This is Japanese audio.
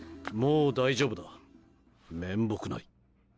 もう大丈夫だ面目ない。